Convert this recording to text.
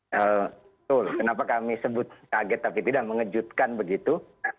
betul kenapa kami sebut kaget tapi tidak mengejutkan begitu